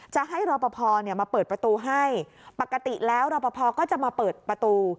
จะให้รอปภมาเปิดประตูให้ปกติแล้วรอปภก็จะมาเปิดประตู